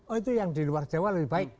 oh itu yang di luar jawa lebih baik